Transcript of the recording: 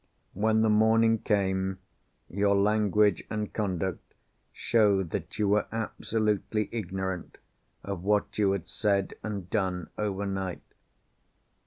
When the morning came, your language and conduct showed that you were absolutely ignorant of what you had said and done overnight.